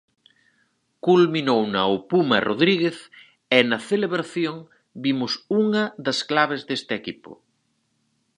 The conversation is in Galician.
Culminouna o Puma Rodríguez, e na celebración vimos unha das claves deste equipo.